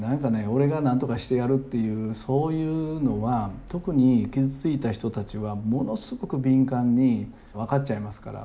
「俺がなんとかしてやる」っていうそういうのは特に傷ついた人たちはものすごく敏感に分かっちゃいますから。